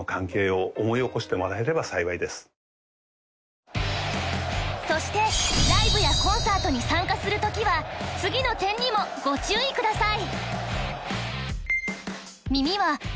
時々そしてライブやコンサートに参加する時は次の点にもご注意ください